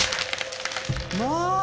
まあ！